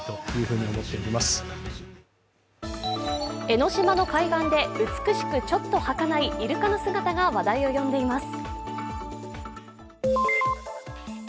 江の島の海岸で美しくちょっとはかないイルカの姿が話題を呼んでいます。